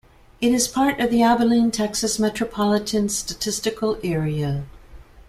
It is part of the Abilene, Texas, Metropolitan Statistical Area.